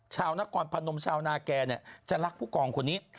ชาวนครพนมชาวนาแกจะรักผู้กองคนนี้